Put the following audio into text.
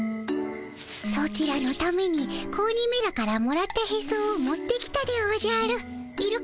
ソチらのために子鬼めらからもらったヘソを持ってきたでおじゃる。